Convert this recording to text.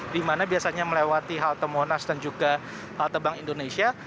di mana biasanya melewati halte monas dan juga halte bank indonesia